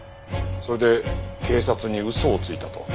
それで警察に嘘をついたと？